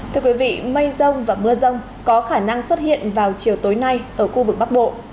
thưa quý vị mây rông và mưa rông có khả năng xuất hiện vào chiều tối nay ở khu vực bắc bộ